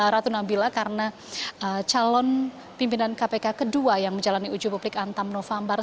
ratu nabila karena calon pimpinan kpk kedua yang menjalani uji publik antam november